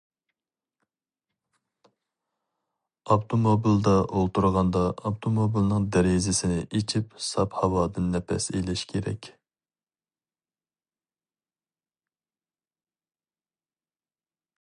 ئاپتوموبىلدا ئولتۇرغاندا ئاپتوموبىلنىڭ دېرىزىسىنى ئېچىپ ساپ ھاۋادىن نەپەس ئېلىش كېرەك.